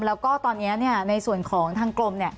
แล้วก็ตอนนี้ในส่วนของทางกรม